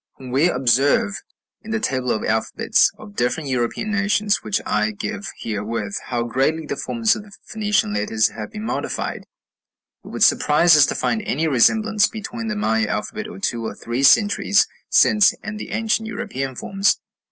When we observe, in the table of alphabets of different European nations which I give herewith, how greatly the forms of the Phoenician letters have been modified, it would surprise us to find any resemblance between the Maya alphabet of two or three centuries since and the ancient European forms.